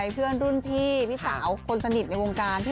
พอแล้วพอแล้วพอแล้วพอแล้ว